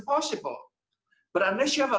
tapi selain anda memiliki banyak kebayaan